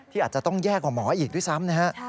อาจจะต้องแย่กว่าหมออีกด้วยซ้ำนะฮะ